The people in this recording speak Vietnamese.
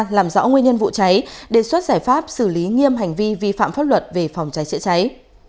làm rõ nguyên nhân vụ cháy đề xuất giải pháp xử lý nghiêm hành vi vi phạm pháp luật về phòng cháy chữa cháy